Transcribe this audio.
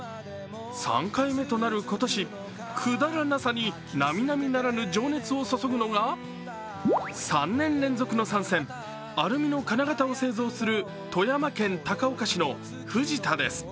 ３回目となる今年、くだらなさに並々ならぬ情熱を注ぐのが、３年連続の参戦、アルミの金型を製造する富山県高岡市のフジタです。